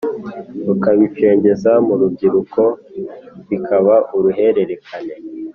rukabicengeza mu rubyiruko bikaba uruhererekane